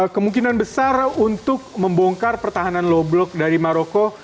kemungkinan besar untuk membongkar pertahanan low blok dari maroko